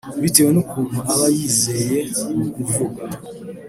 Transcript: Bitewe n’ukuntu aba yiyizeye mu kuvuga